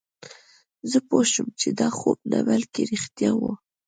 زه پوه شوم چې دا خوب نه بلکې رښتیا وه